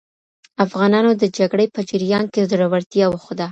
افغانانو د جګړې په جریان کې زړورتیا وښوده.